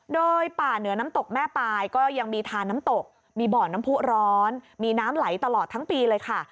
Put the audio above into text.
โดยป่าเหนือน้ำตกแม่ปลายก็ยังมีทานน้ำตกมีบ่อน้ำผู้ร้อนมีน้ำไหลตลอดทั้งปีเลยค่ะ